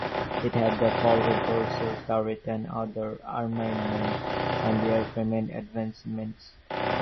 It had the forward dorsal turret and other armament and airframe advancements.